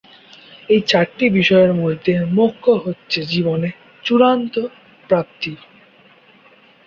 এই চারটি বিষয়ের মধ্যে মোক্ষ হচ্ছে জীবনের চূড়ান্ত প্রাপ্তি।